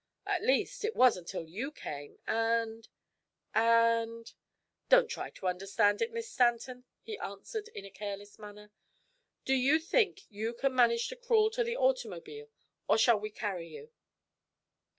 At least, it was until you came, and and " "Don't try to understand it, Miss Stanton," he answered in a careless manner. "Do you think you can manage to crawl to the automobile, or shall we carry you?"